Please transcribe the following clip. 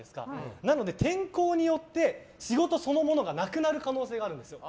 なので天候によって仕事そのものがなくなる可能性があるんですよ。